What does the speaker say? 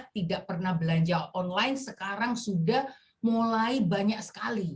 tidak pernah belanja online sekarang sudah mulai banyak sekali